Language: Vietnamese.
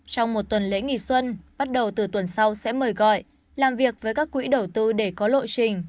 trong một tuần lễ nghỉ xuân bắt đầu từ tuần sau sẽ mời gọi làm việc với các quỹ đầu tư để có lộ trình